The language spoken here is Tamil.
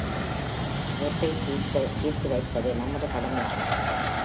இவற்றைத் தீர்த்து வைப்பது நமது கடமையாகிறது.